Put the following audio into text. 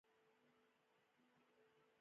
دا تګلاره د دولتي صنایعو پر پراختیا راڅرخېده.